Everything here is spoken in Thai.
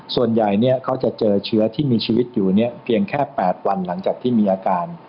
ส่วนใหญ่เขาจะเจอเชื้อที่มีชีวิตอยู่เพียงแค่๘วันหลังจากที่มีอาการ